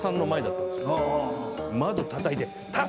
窓たたいて。